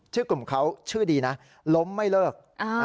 ชื่อกลุ่มเขาชื่อดีนะล้มไม่เลิก